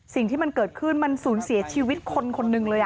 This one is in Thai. สิ่งที่มันเกิดขึ้นมันสูญเสียชีวิตคนคนหนึ่งเลย